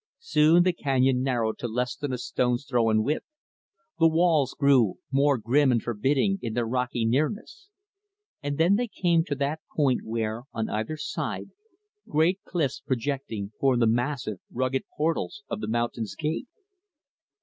Soon, the canyon narrowed to less than a stone's throw in width. The walls grew more grim and forbidding in their rocky nearness. And then they came to that point where, on either side, great cliffs, projecting, form the massive, rugged portals of the mountain's gate.